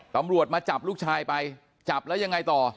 ตำรวจมาจับลูกชายไปจับแล้วยังไงต่อ